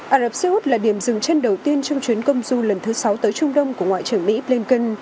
ả rập xê út là điểm dừng chân đầu tiên trong chuyến công du lần thứ sáu tới trung đông của ngoại trưởng mỹ blinken